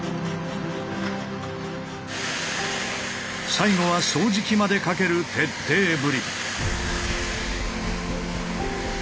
最後は掃除機までかける徹底ぶり。